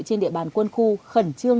trên địa phương